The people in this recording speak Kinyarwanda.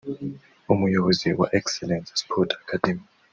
Umuyobozi wa Excellence Sports Academy